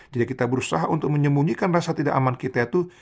jadi kita berusaha untuk menyembunyikan rasa tidak aman kita itu